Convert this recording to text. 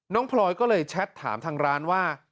พลอยก็เลยแชทถามทางร้านว่า